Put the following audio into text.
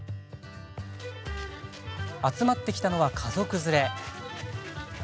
集まってきたのは、家族連れ。